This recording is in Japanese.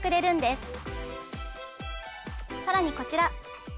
さらにこちら。